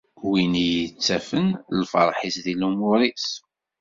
Win i yettafen lferḥ-is di lumuṛ-is.